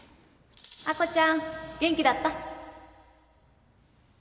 亜子ちゃん元気だった？